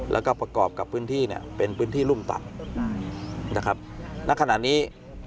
แล้วก็ประกอบกับพื้นที่เนี่ยเป็นพื้นที่รุ่มต่ำนะครับณขณะนี้